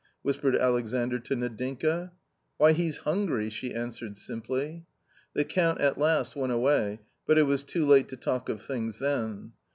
" whispered Alexandr to Nadinka. " Why, he's hungry I " she answered simply. The Count at last went away, but it was too late to talk of things then.